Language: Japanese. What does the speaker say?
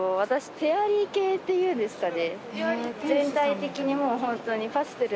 フェアリー系っていうんですかね。